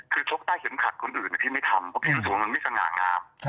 คือชกตะเห็นขัดคนอื่นพี่ไม่ทำเพราะพี่ปลูกตัวพี่ไม่สม่างาม